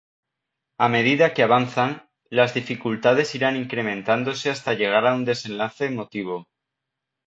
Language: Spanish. A medida que avanzan, las dificultades irán incrementándose hasta llegar a un desenlace emotivo.